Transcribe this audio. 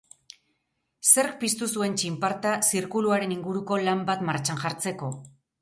Zerk piztu zuen txinparta zirkuluaren inguruko lan bat martxan jartzeko?